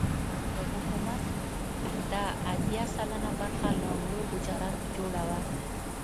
د حکومت دا اتيا سلنه برخه له مړو حجراتو جوړه وه.